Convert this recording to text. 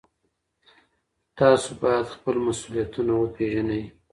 تاسو باید خپل مسولیتونه وپېژنئ.